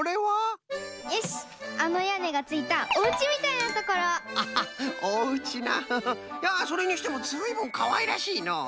いやそれにしてもずいぶんかわいらしいのう！